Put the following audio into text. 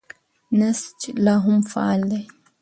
نسج لا هم فعال دی.